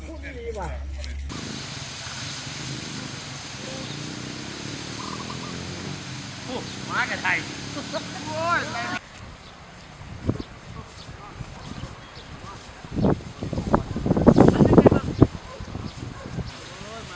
อ๋อสุดสุดอ๋อสุดสุด